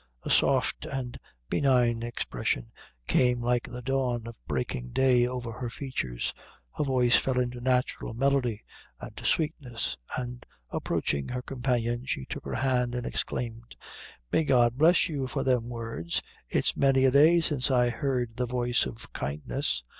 A soft and benign expression came like the dawn of breaking day over her features, her voice fell into natural melody and sweetness, and, approaching her companion, she took her hand and exclaimed "May God bless you for them words! it's many a day since I heard the voice o' kindness.